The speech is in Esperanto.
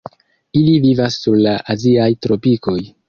Ili vivas sur la aziaj tropikoj.